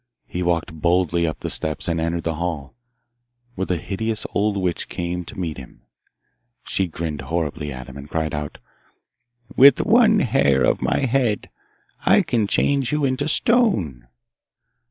He walked boldly up the steps and entered the hall, where the hideous old witch came to meet him. She grinned horribly at him, and cried out, 'With one hair of my head I can change you into stone.